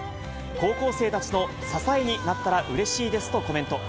高校生たちの支えになったらうれしいですとコメント。